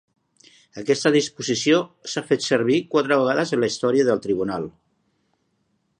Aquesta disposició s'ha fet servir quatre vegades en la història del Tribunal.